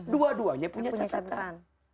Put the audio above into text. dua duanya punya catatan